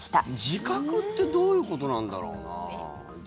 自覚ってどういうことなんだろうな。